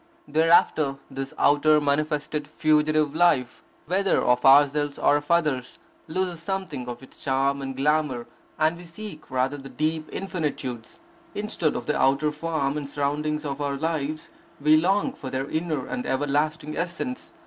Thereafter, this outer, manifested, fugitive life, whether of ourselves or of others, loses something of its charm and glamour, and we seek rather the deep infinitudes. Instead of the outer form and surroundings of our lives, we long for their inner and everlasting essence.